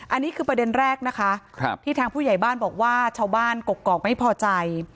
อันนี้คือประเด็นแรกนะคะที่ทางผู้ใหญ่บ้านบอกว่าชาวบ้านกกอกไม่พอใจ